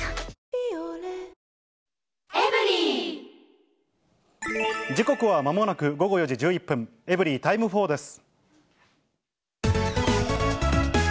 「ビオレ」時刻はまもなく午後４時１１分、エブリィタイム４です。